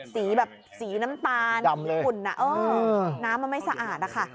สีแบบสีน้ำตาลหุ่นน่ะเออน้ำมันไม่สะอาดนะคะ